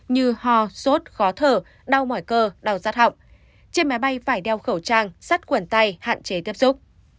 như ho sốt khó thở đau mỏi cơ đau rắt họng trên máy bay phải đeo khẩu trang sắt khuẩn tay hạn chế tiếp xúc